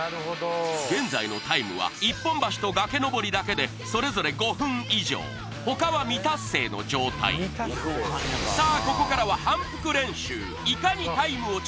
現在のタイムは一本橋と崖登りだけでそれぞれ５分以上他は未達成の状態さあ